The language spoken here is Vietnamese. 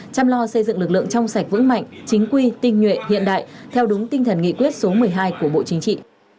chăm lo xây dựng lực lượng trong sạch vững mạnh chính quy tinh nhuệ hiện đại theo đúng tinh thần nghị quyết số một mươi hai của bộ chính trị